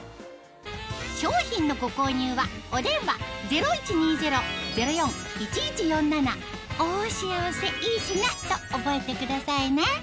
商品のご購入はお電話０１２０−０４−１１４７と覚えてくださいね